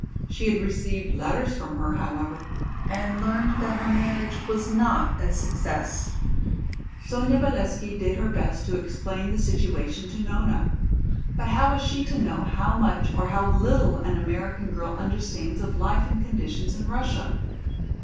She had received letters from her, however, and learned that her marriage was not a success. Sonya Valesky did her best to explain the situation to Nona. But how was she to know how much or how little an American girl understands of life and conditions in Russia?